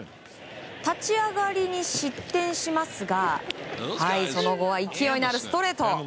立ち上がりに失点しますがその後は勢いのあるストレート。